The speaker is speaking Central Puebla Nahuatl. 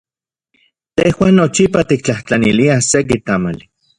Tejuan nochipa tiktlajtlaniliaj seki tamali.